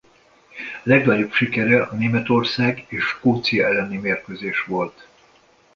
Legnagyobb sikere a Németország és Skócia elleni mérkőzés volt.